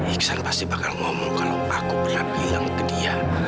iksan pasti bakal ngomong kalau aku pernah bilang ke dia